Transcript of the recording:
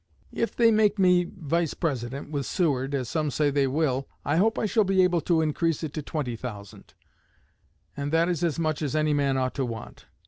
If they make me Vice president with Seward, as some say they will, I hope I shall be able to increase it to twenty thousand; and that is as much as any man ought to want.'